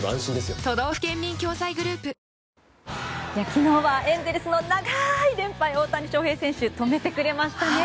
昨日はエンゼルスの長い連敗を大谷翔平選手止めてくれましたね。